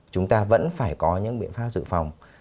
chúng ta vẫn phải có những biện pháp dự phòng